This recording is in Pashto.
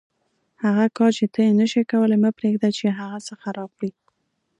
هغه کار چې ته یې نشې کولای مه پرېږده چې هغه څه خراب کړي.